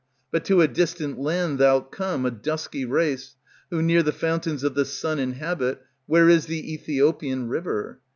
But to a distant land Thou 'lt come, a dusky race, who near the fountains Of the sun inhabit, where is the Æthiopian river.